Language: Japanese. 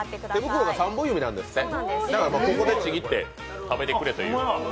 手袋が３本指なんですってだからここでちぎって食べてくれと。